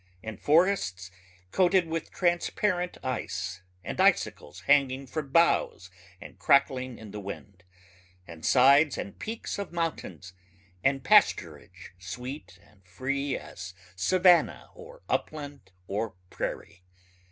and forests coated with transparent ice, and icicles hanging from boughs and crackling in the wind ... and sides and peaks of mountains ... and pasturage sweet and free as savannah or upland or prairie